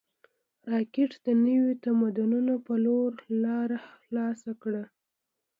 راکټ د نویو تمدنونو په لور لاره خلاصه کړې